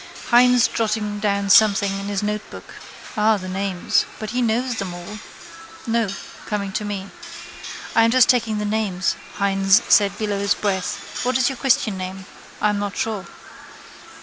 Hynes jotting down something in his notebook. Ah, the names. But he knows them all. No: coming to me. —I am just taking the names, Hynes said below his breath. What is your christian name? I'm not sure.